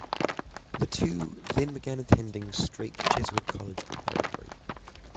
The two then began attending Strake Jesuit College Preparatory.